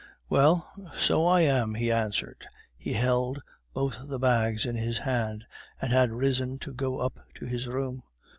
"Well... so I am," he answered. He held both the bags in his hand, and had risen to go up to his room.